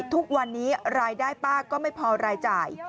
ทุกวันนี้รายได้ป้าก็ไม่พอรายจ่าย